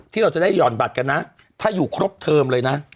ที่เราจะได้ห่อนบัตรกันนะถ้าอยู่ครบเทอมเลยนะ